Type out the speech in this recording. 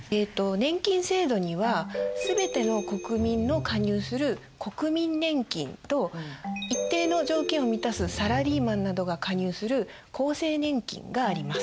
年金制度にはすべての国民の加入する国民年金と一定の条件を満たすサラリーマンなどが加入する厚生年金があります。